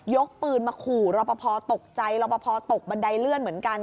กปืนมาขู่รอปภตกใจรอปภตกบันไดเลื่อนเหมือนกัน